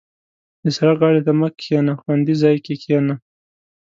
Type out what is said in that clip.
• د سړک غاړې ته مه کښېنه، خوندي ځای کې کښېنه.